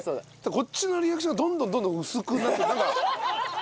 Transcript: こっちのリアクションがどんどんどんどん薄くなって。